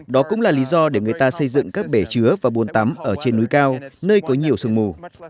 đó cũng là lý do để người ta xây dựng các bể chứa và buồn tắm ở trên núi cao nơi có nhiều sương mù